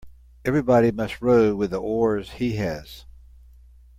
Everybody must row with the oars he has.